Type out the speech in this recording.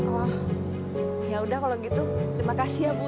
oh yaudah kalau gitu terima kasih ya bu